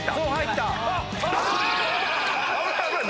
危ない危ない！